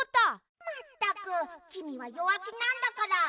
まったくきみはよわきなんだから。